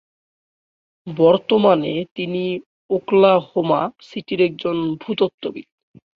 বর্তমানে তিনি ওকলাহোমা সিটির একজন ভূতত্ত্ববিদ।